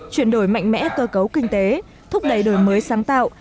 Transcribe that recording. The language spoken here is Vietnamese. chuyển đổi mạnh mẽ cơ cấu kinh tế thúc đẩy đổi mới sáng tạo